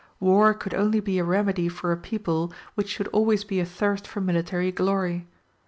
War could only be a remedy for a people which should always be athirst for military glory.